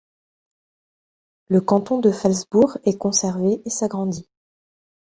Le canton de Phalsbourg est conservé et s'agrandit.